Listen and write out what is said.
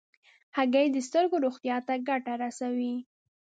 هګۍ د سترګو روغتیا ته ګټه رسوي.